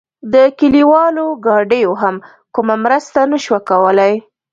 د کلیوالو ګاډیو هم کومه مرسته نه شوه کولای.